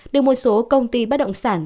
được một số công ty bắt động sản